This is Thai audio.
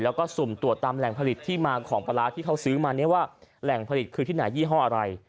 แล้วก็สุ่มตรวจตามแหล่งผลิตที่มาของปลาร้าที่เขาซื้อมาเนี่ยว่าแหล่งผลิตคือที่ไหนยี่ห้ออะไร